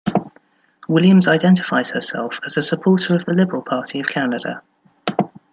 Williams identifies herself as a supporter of the Liberal Party of Canada.